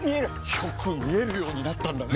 よく見えるようになったんだね！